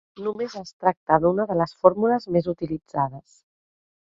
Només es tracta d'una de les fórmules més utilitzades.